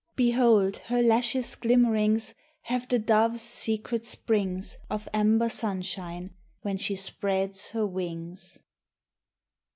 Behold Her lashes* glimmerings Have the dove*s secret springs Of amber sunshine when she spreads her wings.